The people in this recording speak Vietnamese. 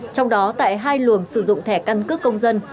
trong đó tại hai luồng sử dụng thẻ căn cước công dân